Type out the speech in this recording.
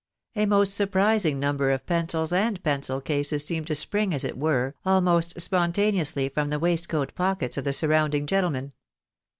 A most surprising number of pencils and pencil cases seemed to spring, as it were, almost spontaneously from the waistcoat pockets of the surrounding gentlemen.